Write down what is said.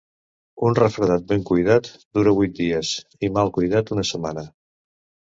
Un refredat ben cuidat dura vuit dies i mal cuidat una setmana.